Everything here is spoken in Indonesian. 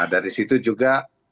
dari situ juga